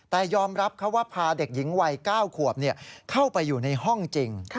แต่ยอมรับเขาว่าพาเด็กหญิงวัย๙ขวบเข้าไปอยู่ในห้องจริง